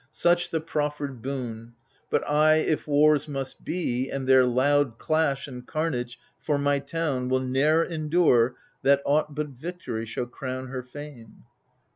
Such the proffered boon. But I, if wars must be, and their loud clash And carnage, for my town, will ne'er endure That aught but victory shall crown her fame.